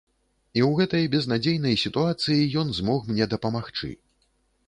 І ў гэтай безнадзейнай сітуацыі ён змог мне дапамагчы.